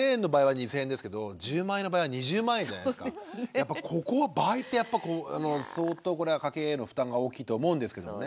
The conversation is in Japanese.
やっぱここは倍ってやっぱこう相当これは家計への負担が大きいと思うんですけどもね。